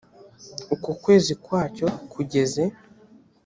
uko ukwezi kwacyo kugeze